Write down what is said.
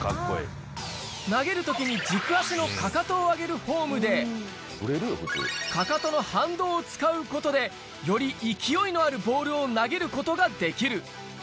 投げるときに軸足のかかとを上げるフォームで、かかとの反動を使うことで、より勢いのあるボールを投げることができる。